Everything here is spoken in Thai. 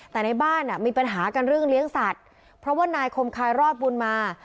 แต่ในบ้านมีปัญหากันเรื่องเลี้ยงสัตว์เพราะว่านายคมคายรอดบุญมา